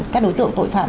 các đối tượng tội phạm